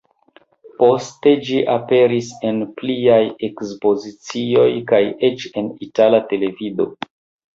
Poste ĝi aperis en pliaj ekspozicioj kaj eĉ en itala televido.